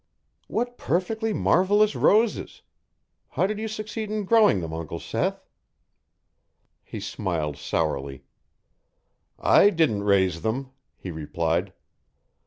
What perfectly marvellous roses! How did you succeed in growing them, Uncle Seth?" He smiled sourly. "I didn't raise them," he replied.